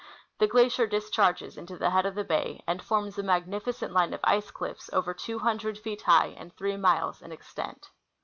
The glacier discharges into the head of the bay and forins a magnificent line of ice cliffs over two hundred feet high and three miles in extent.